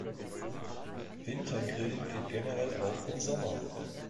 Wintergrillen geht generell auch im Sommer.